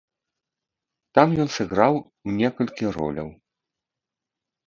Там ён сыграў некалькі роляў.